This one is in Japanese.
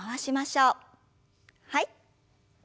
はい。